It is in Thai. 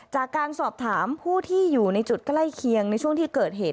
จากการสอบถามผู้ที่อยู่ในจุดใกล้เคียงในช่วงที่เกิดเหตุ